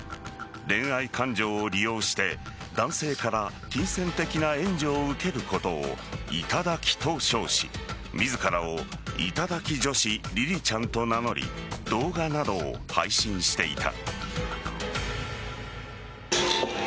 恋愛感情を利用して男性から金銭的な援助を受けることを頂きと称し自らを頂き女子りりちゃんと名乗り動画などを配信していた。